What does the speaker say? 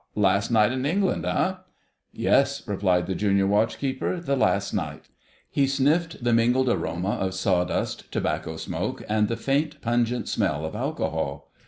Last night in England, eh?" "Yes," replied the Junior Watch keeper, "the last night." He sniffed the mingled aroma of sawdust, tobacco smoke, and the faint pungent smell of alcohol.